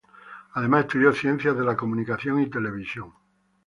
Además estudió Ciencias de la Comunicación y televisión.